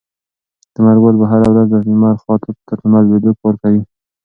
ثمرګل به هره ورځ له لمر خاته تر لمر لوېدو کار کوي.